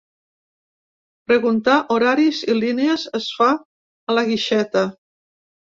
Preguntar horaris i línies es fa a la guixeta.